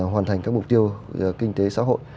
hoàn thành các mục tiêu kinh tế xã hội